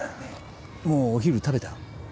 もうお昼食べた？